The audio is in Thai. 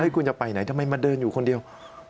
คุณจะไปไหนทำไมมาเดินอยู่คนเดียว